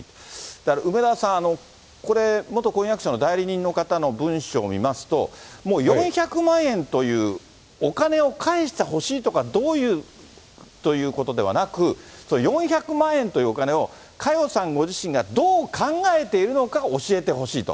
だから、梅沢さん、これ、元婚約者の代理人の方の文書を見ますと、もう４００万円というお金を返してほしいとか、どういうということではなく、４００万円というお金を、佳代さんご自身がどう考えているのかを教えてほしいと。